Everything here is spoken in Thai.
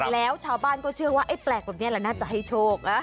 แล้วชาวบ้านก็เชื่อว่าไอ้แปลกแบบนี้แหละน่าจะให้โชคนะ